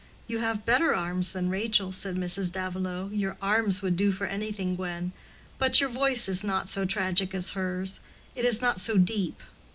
"You have better arms than Rachel," said Mrs. Davilow, "your arms would do for anything, Gwen. But your voice is not so tragic as hers; it is not so deep."